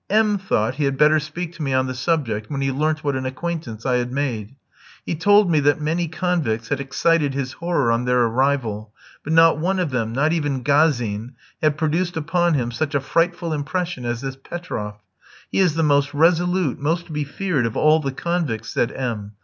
M thought he had better speak to me on the subject, when he learnt what an acquaintance I had made. He told me that many convicts had excited his horror on their arrival; but not one of them, not even Gazin, had produced upon him such a frightful impression as this Petroff. "He is the most resolute, most to be feared of all the convicts," said M